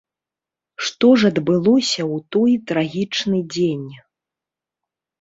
Што ж адбылося ў той трагічны дзень?